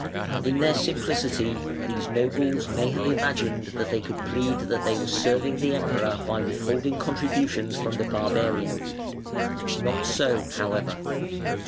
In their simplicity these nobles may have imagined that they could plead that they were serving the Emperor by withholding contributions from the barbarian. Not so, however.